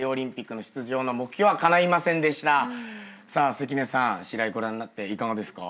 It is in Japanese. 関根さん試合ご覧になっていかがですか？